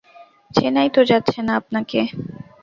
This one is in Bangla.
চেনাই তো যাচ্ছেনা আপনাকে!